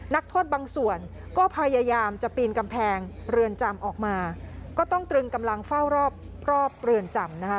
นักโทษบางส่วนก็พยายามจะปีนกำแพงเรือนจำออกมาก็ต้องตรึงกำลังเฝ้ารอบรอบเรือนจำนะคะ